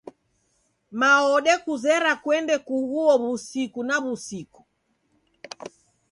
Mao odekuzera kwende kughuo wusiku na wusiku